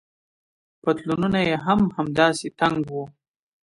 پتلونونه يې هم همداسې تنګ وو.